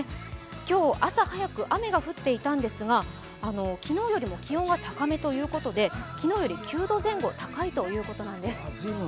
今日、朝早く雨が降っていたんですが昨日よりも気温が高めということで昨日より９度前後高いということです。